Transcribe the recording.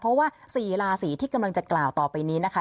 เพราะว่า๔ราศีที่กำลังจะกล่าวต่อไปนี้นะคะ